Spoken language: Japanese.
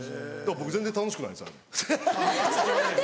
僕全然楽しくないですあれ。